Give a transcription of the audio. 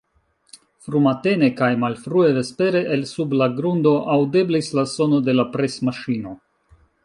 Frumatene kaj malfrue vespere el sub la grundo aŭdeblis la sono de la presmaŝino.